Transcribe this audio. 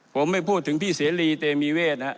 ผมไม่พูดถึงพี่เสรีเตมีเวทนะครับ